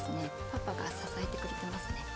パパが支えてくれてますね。